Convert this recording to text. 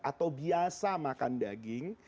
atau biasa makan daging